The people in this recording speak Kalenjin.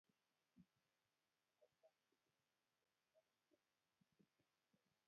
Kochang' kaimutik saparit notok koy